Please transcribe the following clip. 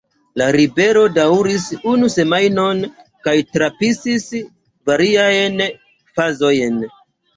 La ribelo daŭris unu semajnon kaj trapasis variajn fazojn.